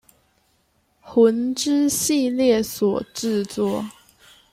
魂之系列所制作。